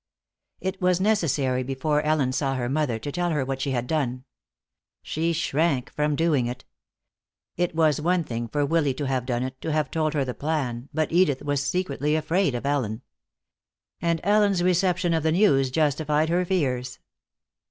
It was necessary before Ellen saw her mother to tell her what she had done. She shrank from doing it. It was one thing for Willy to have done it, to have told her the plan, but Edith was secretly afraid of Ellen. And Ellen's reception of the news justified her fears.